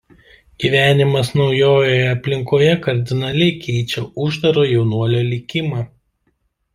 Gyvenimas naujoje aplinkoje kardinaliai keičia uždaro jaunuolio likimą.